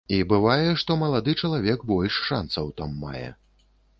І бывае, што малады чалавек больш шанцаў там мае.